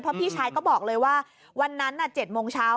เพราะพี่ชายก็บอกเลยว่าวันนั้น๗โมงเช้า